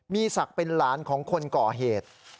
มีศักดิ์เป็นหลานของคนก่อเหตุ